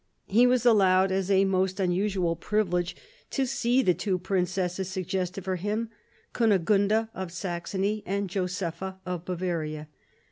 He was allowed, as a most unusual privilege, to see the two princesses suggested for him, Kunegunda of Saxony and Josepha of Bavaria.